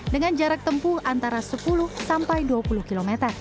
dengan jarak tempuh antara sepuluh sampai dua puluh km